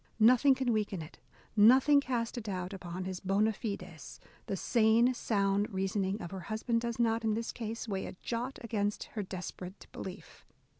Nothing can weaken it, nothing cast a doubt upon his bona fides: the sane, sound reasoning of her husband does not, in this case, weigh a jot against her desperate belief.